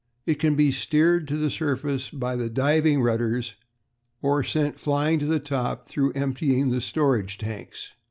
"It can be steered to the surface by the diving rudders, or sent flying to the top through emptying the storage tanks.